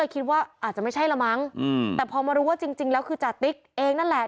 คิดว่าอาจจะไม่ใช่ละมั้งแต่พอมารู้ว่าจริงแล้วคือจาติ๊กเองนั่นแหละ